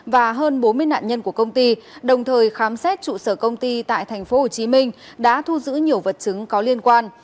và hơn bốn mươi nạn nhân của công ty đồng thời khám xét trụ sở công ty tại tp hcm đã thu giữ nhiều vật chứng có liên quan